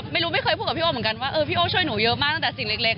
ไม่เคยพูดกับพี่โอเหมือนกันว่าเออพี่โอ้ช่วยหนูเยอะมากตั้งแต่สิ่งเล็ก